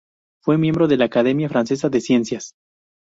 Fue miembro de la Academia Francesa de Ciencias.